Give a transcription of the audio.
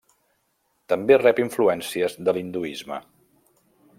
També rep influències de l'hinduisme.